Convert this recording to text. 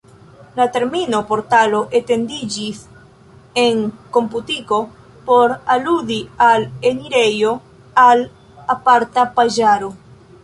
La termino "portalo" etendiĝis en komputiko por aludi al enirejo al aparta paĝaro.